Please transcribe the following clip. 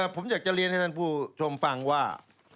ผมอยากจะเรียนให้ท่านผู้ชมฟังว่า